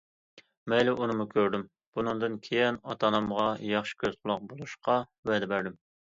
مەيلى، بۇنىمۇ كۆردۈم، بۇندىن كېيىن ئاتا- ئانامغا ياخشى كۆز- قۇلاق بولۇشقا ۋەدە بەردىم.